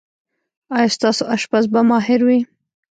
ایا ستاسو اشپز به ماهر وي؟